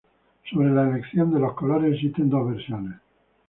Sobre la elección de los colores existen dos versiones.